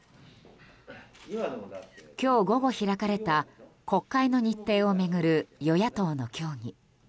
今日午後開かれた国会の日程を巡る与野党の協議。